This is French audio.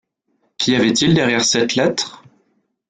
Qu’y avait-il derrière cette lettre?